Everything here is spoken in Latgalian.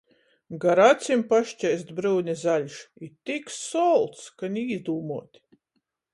Gar acim paškeist bryuni zaļš, i tik solts, ka ni īdūmuot.